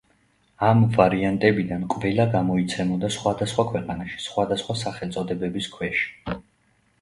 ამ ვარიანტებიდან ყველა გამოიცემოდა სხვადასხვა ქვეყანაში სხვადასხა სახელწოდებების ქვეშ.